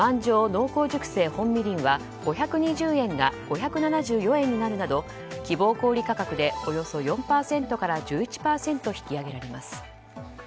濃厚熟成本みりんは５２０円が５７４円になるなど希望小売価格でおよそ４％から１１％引き上げられます。